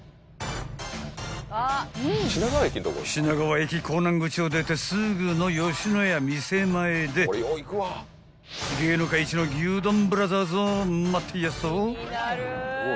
［品川駅港南口を出てすぐの野家店前で芸能界一の牛丼ブラザーズを］